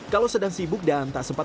kalau sedang sibuk dan tak sempat